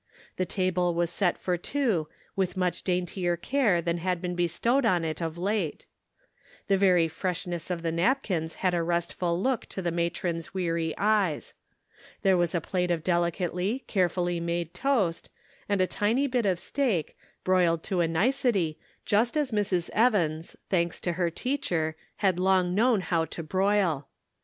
The table was set for two, with much daintier care than had been bestowed on it of late. The very freshness of the napkins had a restful look to the matron's weary eyes. There was a plate of delicately, carefully made toast, and a tiny bit of steak, broiled to a nicety, just as Mrs. Evans, thanks to her teacher, had long known how to broil.